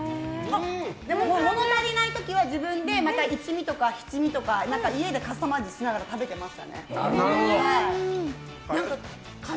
物足りない時は自分で一味とか七見とか家でカスタマイズしながら食べてましたね。